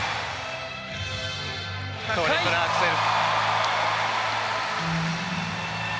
トリプルアクセル。